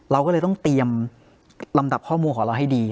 เราก็เลยต้องเตรียมลำดับข้อมูลของเราให้ดี